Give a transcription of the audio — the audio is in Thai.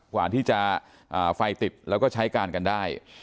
กว่าที่จะไฟติดแล้วก็ใช้การกันได้